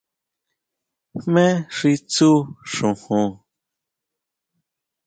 ¿Jmé xi tsú xojon?